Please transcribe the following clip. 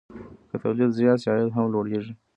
که تولید زیات شي، عاید هم لوړېږي.